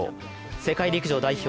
世界陸上代表